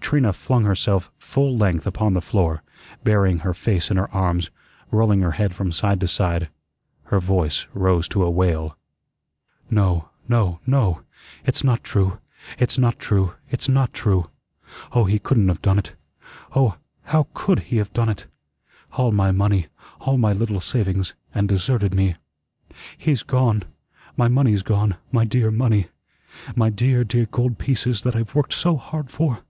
Trina flung herself full length upon the floor, burying her face in her arms, rolling her head from side to side. Her voice rose to a wail. "No, no, no, it's not true; it's not true; it's not true. Oh, he couldn't have done it. Oh, how could he have done it? All my money, all my little savings and deserted me. He's gone, my money's gone, my dear money my dear, dear gold pieces that I've worked so hard for.